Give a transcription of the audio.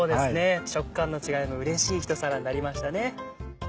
食感の違いのうれしい一皿になりましたね。